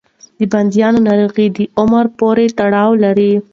د بندونو ناروغي د عمر پورې تړاو لري.